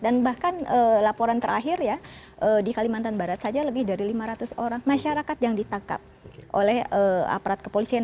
dan bahkan laporan terakhir ya di kalimantan barat saja lebih dari lima ratus orang masyarakat yang ditangkap oleh aparat kepolisian